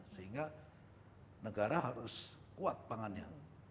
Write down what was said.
sehingga negara harus kuat pangannya